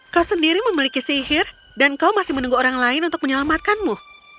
kau sendiri memiliki sihir dan kau masih menunggu orang lain untuk menyelamatkanmu